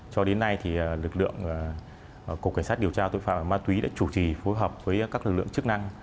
cho đến nay thì lực lượng cục cảnh sát điều tra tội phạm ma túy đã chủ trì phối hợp với các lực lượng chức năng